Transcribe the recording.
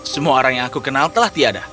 semua orang yang aku kenal telah tiada